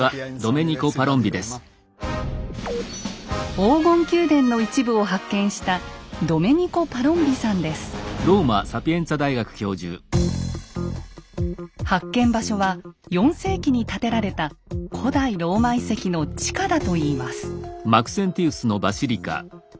黄金宮殿の一部を発見した発見場所は４世紀に建てられた古代ローマ遺跡の地下だといいます。